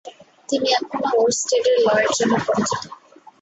তিনি এখনো ওরস্টেডের লয়ের জন্য পরিচিত।